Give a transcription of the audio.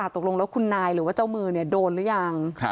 ตกลงแล้วคุณนายหรือว่าเจ้ามือโดนหรือยัง